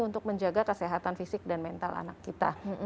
untuk menjaga kesehatan fisik dan mental anak kita